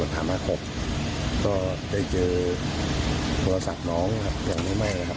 ถามอาครบก็ได้เจอโทรศัพท์น้องครับยังไม่ไหม้นะครับ